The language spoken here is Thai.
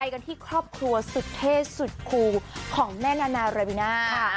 กันที่ครอบครัวสุดเท่สุดคูของแม่นานาราบิน่าค่ะ